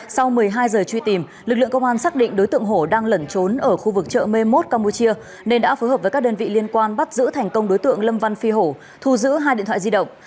sau một mươi hai giờ truy tìm lực lượng công an xác định đối tượng hổ đang lẩn trốn ở khu vực chợ mê mốt campuchia nên đã phối hợp với các đơn vị liên quan bắt giữ thành công đối tượng lâm văn phi hổ thu giữ hai điện thoại di động